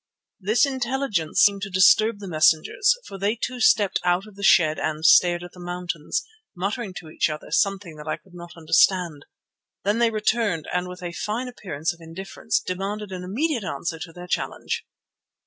This intelligence seemed to disturb the messengers, for they too stepped out of the shed and stared at the mountains, muttering to each other something that I could not understand. Then they returned and with a fine appearance of indifference demanded an immediate answer to their challenge.